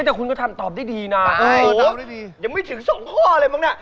แต่คุณก็ทำตอบได้ดีนะตอบได้ดียังไม่ถึงสองข้ออะไรมั้งน่ะ